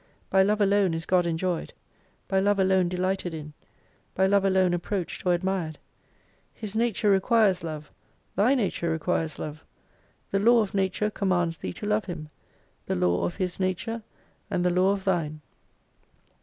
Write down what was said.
By Love alone is God enjoyed, by Love alone delighted in, by Love alone approached or admired. His Nature re quires Love, thy nature lequires Love. The law of Nature commands thee to Love Him : the Law of His nature, and the Law oi thine.